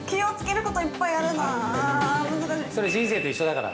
◆それ、人生と一緒だから。